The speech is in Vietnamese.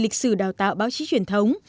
với việc xử đào tạo báo chí truyền thống